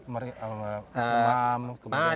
ke emam ke kebanyakan